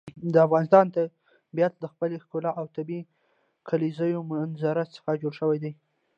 د افغانستان طبیعت له خپلې ښکلې او طبیعي کلیزو منظره څخه جوړ شوی دی.